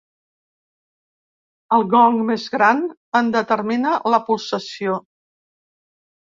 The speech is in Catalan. El gong més gran en determina la pulsació.